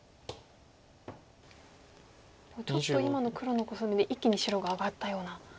ちょっと今の黒のコスミで一気に白が上がったような。